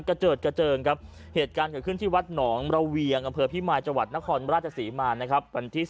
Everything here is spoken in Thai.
กระเจิดกระเจิงครับ